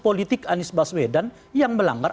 politik anies baswedan yang melanggar